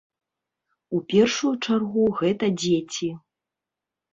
У першую чаргу гэта дзеці.